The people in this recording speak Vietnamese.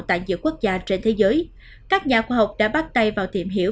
tại nhiều quốc gia trên thế giới các nhà khoa học đã bắt tay vào tìm hiểu